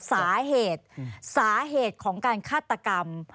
สาเหตุของการฆาตกรรม